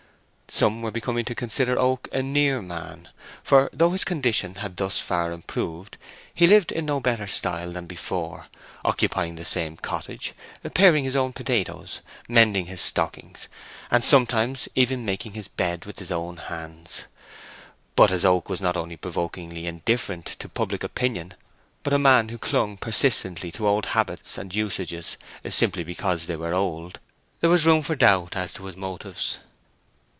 Some were beginning to consider Oak a "near" man, for though his condition had thus far improved, he lived in no better style than before, occupying the same cottage, paring his own potatoes, mending his stockings, and sometimes even making his bed with his own hands. But as Oak was not only provokingly indifferent to public opinion, but a man who clung persistently to old habits and usages, simply because they were old, there was room for doubt as to his motives.